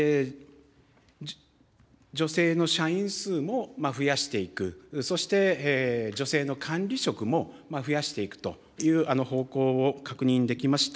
女性の社員数も増やしていく、そして女性の管理職も増やしていくという方向を確認できました。